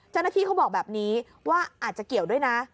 เจ้าหน้าที่เขาบอกแบบนี้ว่าอาจจะเกี่ยวด้วยนะ